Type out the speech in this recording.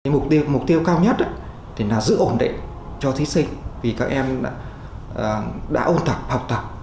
mục tiêu cao nhất là giữ ổn định cho thí sinh vì các em đã ôn tập học tập